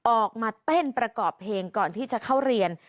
ออกมาเต้นประกอบเพลงก่อนที่จะเข้าเรียน